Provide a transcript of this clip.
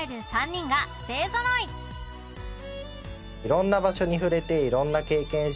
色んな場所に触れて色んな経験して。